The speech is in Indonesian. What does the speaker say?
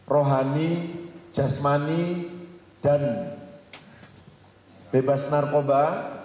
rohani jasmani dan bebas narkoba